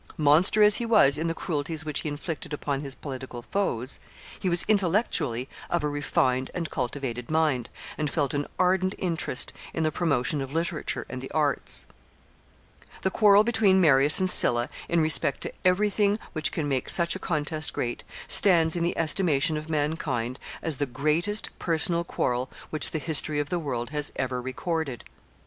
Monster as he was in the cruelties which he inflicted upon his political foes, he was intellectually of a refined and cultivated mind, and felt an ardent interest in the promotion of literature and the arts. [Sidenote: Opinion of mankind in regard to Marius and Sylla.] The quarrel between Marius and Sylla, in respect to every thing which can make such a contest great, stands in the estimation of mankind as the greatest personal quarrel which the history of the world has ever recorded.